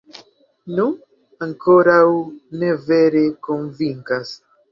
Nu, ankoraŭ ne vere konvinkas.